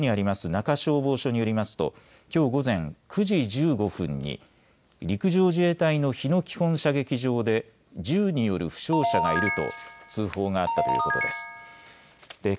中消防署によりますときょう午前９時１５分に陸上自衛隊の日野基本射撃場で銃による負傷者がいると通報があったということですです。